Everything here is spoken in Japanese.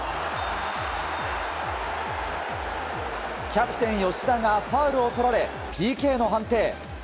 キャプテン、吉田がファウルをとられＰＫの判定。